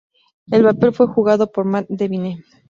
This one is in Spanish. El papel fue jugado por Mat Devine.